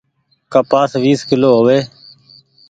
ڪپآس ويس ڪلو هووي۔